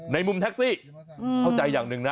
ในมุมแท็กซี่เข้าใจอย่างหนึ่งนะ